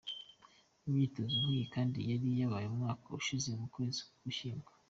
Imyitozo nkiyi kandi yari yabaye umwaka ushize mu kwezi kw’Ugushyingo.